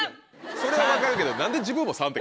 ３！それは分かるけど。